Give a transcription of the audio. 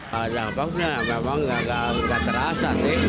kalau jalan pag memang nggak terasa sih